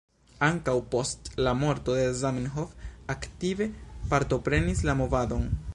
Ankaŭ post la morto de Zamenhof aktive partoprenis la movadon.